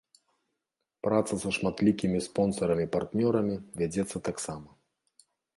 Праца са шматлікімі спонсарамі-партнёрамі вядзецца таксама.